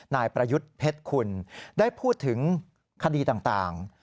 นายประยุทธ์เพชรคุณได้พูดถึงคดีต่าง